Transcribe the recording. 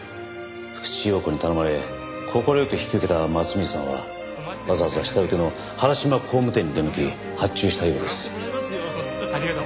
福地陽子に頼まれ快く引き受けた松水さんはわざわざ下請けの原島工務店に出向き発注したようです。